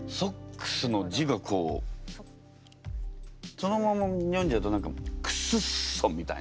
そのまま読んじゃうと「クスッソ」みたいな。